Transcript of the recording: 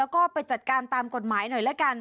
แล้วก็ไปจัดการตามกฎหมายหน่อยละกัน